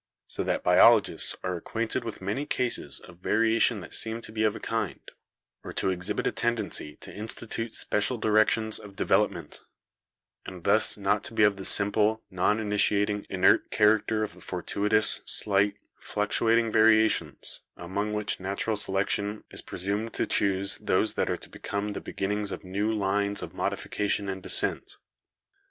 So that biologists are acquainted with many cases of variation that seem to be of a kind, or to exhibit a tendency to institute special directions of de velopment, and thus not to be of the simple, non initiating, inert character of the fortuitous, slight, fluctuating varia tions, among which natural selection is presumed to choose those that are to become the beginnings of new lines of modification and descent.